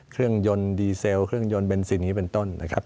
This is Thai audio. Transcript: เครื่องยนต์ดีเซลเครื่องยนต์เบนซินอย่างนี้เป็นต้น